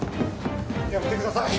やめてください